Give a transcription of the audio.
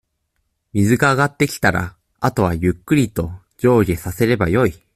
水が上がってきたら、あとはゆっくりと、上下させればよい。